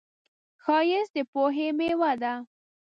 ښایست د پوهې میوه ده